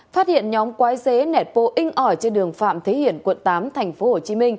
phát hiện nhóm quái xế nẹt pô in ỏi trên đường phạm thế hiển quận tám tp hcm